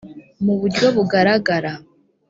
mu buryo bugaragara